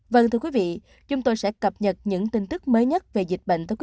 vâng thưa quý vị chúng tôi sẽ cập nhật những tin tức mới nhất về dịch bệnh